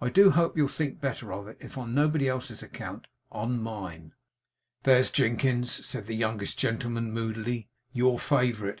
I do hope you'll think better of it; if on nobody else's account, on mine.' 'There's Jinkins,' said the youngest gentleman, moodily. 'Your favourite.